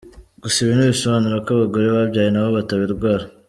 Gusa ibi ntibisobanura ko abagore babyaye nabo batabirwara.